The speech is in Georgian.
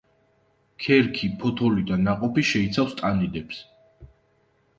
ქერქი, ფოთოლი და ნაყოფი შეიცავს ტანიდებს.